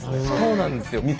そうなんですよ。